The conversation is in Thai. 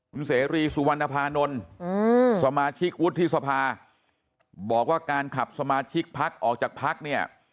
คุณเสรีสุวรรณภานนท์สมาชิกวุฒิสภาบอกว่าการขับสมาชิกพักออกจากพักเนี่ย